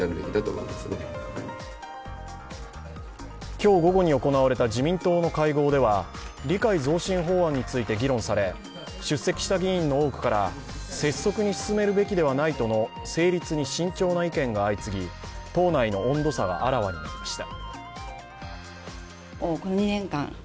今日午後に行われた自民党の会合では理解増進法案について議論され、出席した議員の多くから拙速に進めるべきではないとの成立に慎重な意見が相次ぎ党内の温度差があらわになりました。